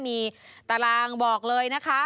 มีตารางบอกเลย